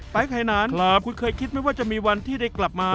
ไปไข่นานคุณเคยคิดมั้ยว่าจะมีวันที่ได้กลับมา